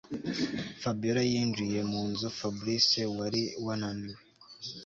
Fabiora yinjiye munzu fabric wari wananiwe